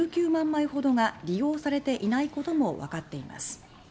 枚ほどが利用されていないこともわかっています。